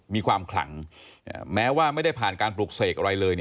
มีความขลังแม้ว่าไม่ได้ผ่านการปลูกเสกอะไรเลย